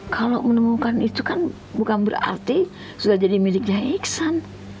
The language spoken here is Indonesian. kalau menemukan itu kan bukan berarti sudah jadi miliknya iksan